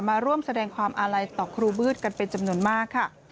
มาร่วมแสดงความอาลัยต่อครูบืดกันเป็นจำนวนมากค่ะ